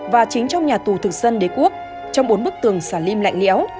và chính trong nhà tù thực dân đế quốc trong bốn bức tường xà lim lạnh lẽo